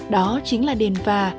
đó chính là đền và